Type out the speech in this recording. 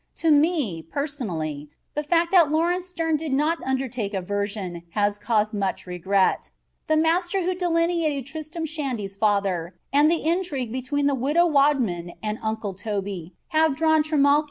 To me, personally, the fact that Laurence Sterne did not undertake a version, has caused much regret. The master who delineated Tristram Shandy's father and the intrigue between the Widow Wadman and Uncle Toby would have drawn Trimalchio and his peers to admiration.